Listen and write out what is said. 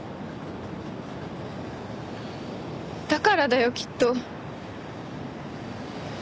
だからだよきっと。